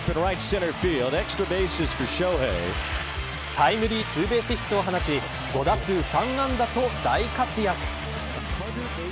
タイムリーツーベースヒットを放ち５打数、３安打と大活躍。